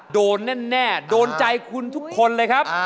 โดนแน่โดนใจคุณทุกคนเลยครับ